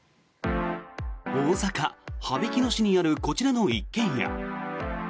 大阪・羽曳野市にあるこちらの一軒家。